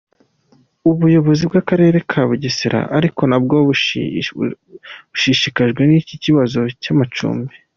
Ubuyobozi bw’akarere ka Bugesera ariko na bwo bushishikajwe n’iki kibazo cy’amacumbi.